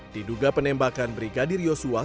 diduga penembakan brigadir yosua